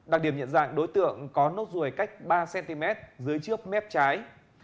đặc điểm nhận dạng đối tượng có nốt ruồi cách ba cm dưới trước mép trái